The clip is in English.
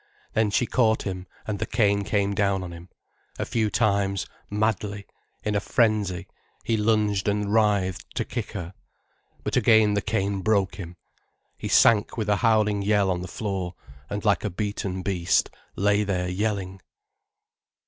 Then she caught him, and the cane came down on him. A few times, madly, in a frenzy, he lunged and writhed, to kick her. But again the cane broke him, he sank with a howling yell on the floor, and like a beaten beast lay there yelling.